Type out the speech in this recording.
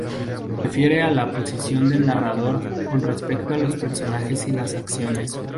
Refiere a la posición del narrador con respecto a los personajes y las acciones.